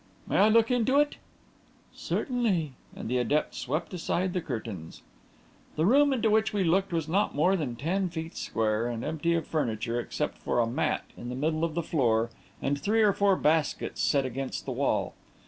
"May I look into it?" "Certainly," and the adept swept aside the curtains. The room into which we looked was not more than ten feet square, and empty of furniture, except for a mat in the middle of the floor and three or four baskets set against the wall.